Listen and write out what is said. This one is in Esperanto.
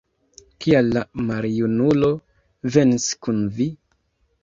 Kial la maljunulo venis kun vi?